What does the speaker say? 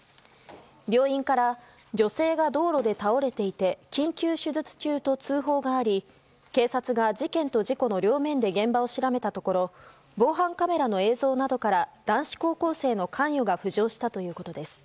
病院から女性が道路で倒れていて緊急手術中と通報があり警察が、事件と事故の両面で現場を調べたところ防犯カメラの映像などから男子高校生の関与が浮上したということです。